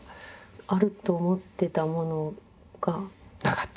あると思ってたものが。なかった。